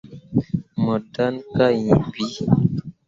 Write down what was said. Mo ɗǝn kah hiŋ bii.